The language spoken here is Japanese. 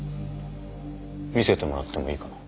見せてもらってもいいかな？